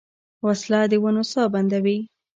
وسله د ونو ساه بندوي